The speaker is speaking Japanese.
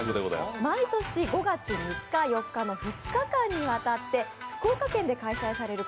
毎年５月３日、４日の２日間にわたって福岡県で開催される